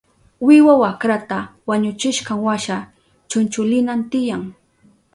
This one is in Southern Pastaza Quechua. Wiwa wakrata wañuchishkanwasha chunchulinan tiyan.